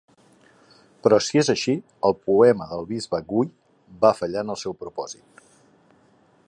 Però si és així, el poema del bisbe Guy va fallar en el seu propòsit.